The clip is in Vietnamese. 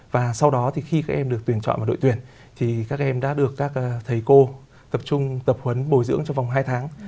và sau đó thì khi các em được tuyển chọn vào đội tuyển thì các em đã được các thầy cô tập trung tập huấn bồi dưỡng trong vòng hai tháng